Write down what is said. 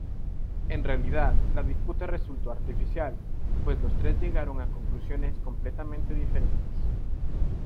En realidad, la disputa resultó artificial, pues los tres llegaron a conclusiones completamente diferentes.